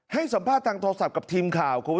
ให้สัมภาษณ์ทางโทรศัพท์กับทีมข่าวคุณ